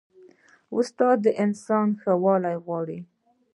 استاد د انسان ښه والی غواړي.